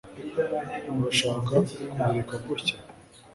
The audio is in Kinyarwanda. urashaka kubireka gutya